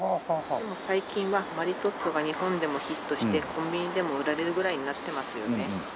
でも最近はマリトッツォが日本でもヒットしてコンビニでも売られるぐらいになってますよね。